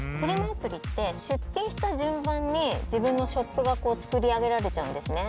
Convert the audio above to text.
アプリって、出品した順番に自分のショップが作り上げられちゃうんですね。